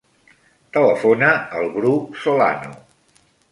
Telefona al Bru Solano.